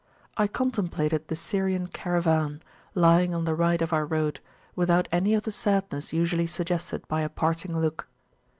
I contemplated the Syrian Caravan, lying on the right of our road, without any of the sadness usually suggested by a parting look.